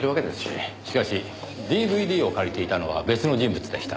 しかしＤＶＤを借りていたのは別の人物でした。